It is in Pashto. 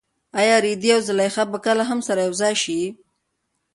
ایا رېدی او زلیخا به کله هم سره یوځای شي؟